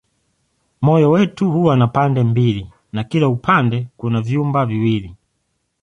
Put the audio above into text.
Moyo wetu huwa na pande mbili na kila upande kuna vyumba viwili.